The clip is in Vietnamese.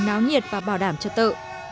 nói nhiệt và bảo đảm cho tự